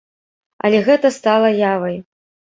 Але гэта стала явай!